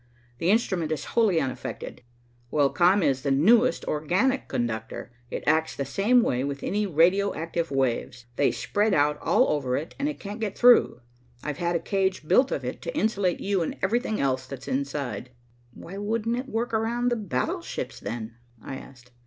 The instrument is wholly unaffected. Well, caema is the newest organic conductor. It acts the same way with any radio active waves. They spread out all over it, and can't get through. I've had a cage built of it to insulate you and everything else that's inside." "Why wouldn't it work around the battleships then?" I asked.